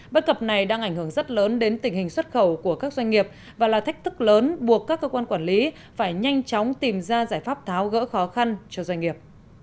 bất cập này đang ảnh hưởng rất lớn đến tình hình xuất khẩu của các doanh nghiệp và là thách thức lớn buộc các cơ quan quản lý phải nhanh chóng tìm ra giải pháp tháo gỡ khó khăn cho doanh nghiệp